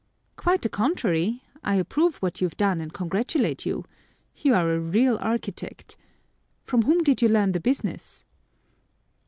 "Quite the contrary, I approve what you've done and congratulate you. You are a real architect. From whom did you learn the business?"